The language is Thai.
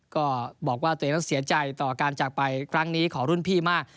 ก็บอกว่าตัวเองนั้นเสียใจต่อการจากไปครั้งนี้ของรุ่นพี่มาก